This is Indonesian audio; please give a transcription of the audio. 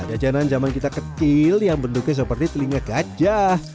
jajanan zaman kita kecil yang bentuknya seperti telinga gajah